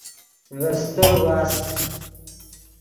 ڤے استر واست۔